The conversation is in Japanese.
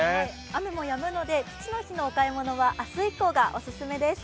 雨もやむので、父の日のお買い物は明日以降がおすすめです。